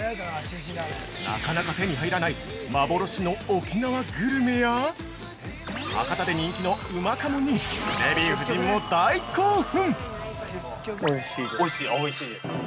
なかなか手に入らない幻の沖縄グルメや博多で人気のうまかもんにデヴィ夫人も大興奮！